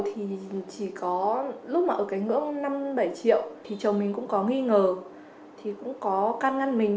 chị đã bảo phản mình chỉ có lúc mà ở cái ngưỡng bảy triệu thì chồng mình cũng có nghi ngờ khi cũng có căng ngăn mình